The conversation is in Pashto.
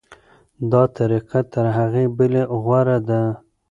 دا طریقه تر هغې بلې غوره ده.